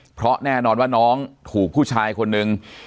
เพราะแน่นอนว่าน้องถูกผู้ชายคนนึง